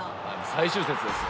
最終節です。